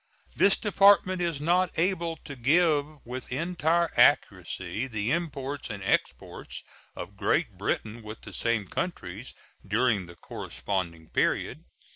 This Department is not able to give with entire accuracy the imports and exports of Great Britain with the same countries during the corresponding period.